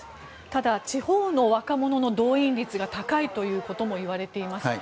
ただ、地方の若者の動員率が高いということもいわれています。